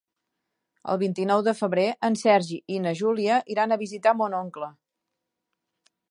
El vint-i-nou de febrer en Sergi i na Júlia iran a visitar mon oncle.